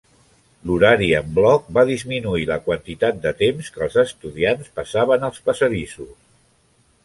L'horari en bloc va disminuir la quantitat de temps que els estudiants passaven als passadissos.